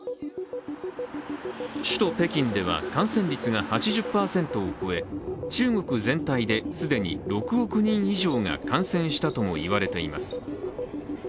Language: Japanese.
首都・北京では感染率が８０％を超え中国全体で既に６億人以上が感染したともいわれています。